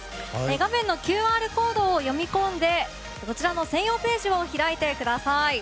画面のＱＲコードを読み込んでこちらの専用ページを開いてください。